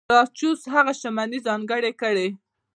ګراکچوس هغه شتمنۍ ځانګړې کړې.